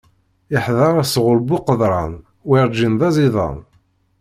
Iḥder sɣuṛ bu qeḍran, werǧin d aẓidan.